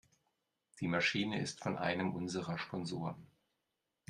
Die Maschine ist von einem unserer Sponsoren.